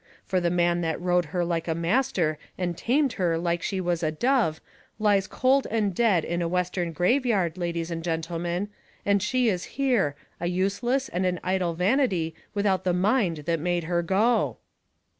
For the man that rode her like a master and tamed her like she was a dove lies cold and dead in a western graveyard, ladies and gentlemen, and she is here, a useless and an idle vanity without the mind that made her go!"